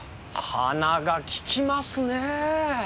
鼻がききますねぇ。